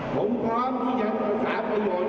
พร้อมที่จะทำการพลักษณ์ความสามารถที่